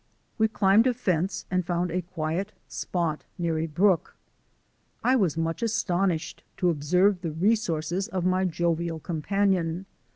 We climbed a fence and found a quiet spot near a little brook. I was much astonished to observe the resources of my jovial companion.